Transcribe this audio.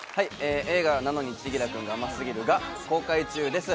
映画『なのに、千輝くんが甘すぎる。』が公開中です。